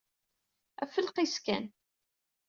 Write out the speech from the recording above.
Ɣef lqis kan.